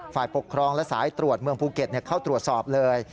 ฝ่ายปกครองและสายตรวจเมืองภูเก็ตเข้าตรวจสอบเลย